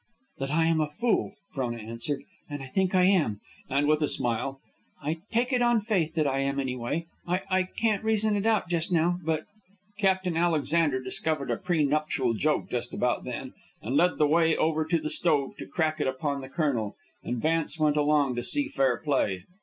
"That I am a fool," Frona answered. "And I think I am." And with a smile, "I take it on faith that I am, anyway. I I can't reason it out just now, but. .." Captain Alexander discovered a prenuptial joke just about then, and led the way over to the stove to crack it upon the colonel, and Vance went along to see fair play.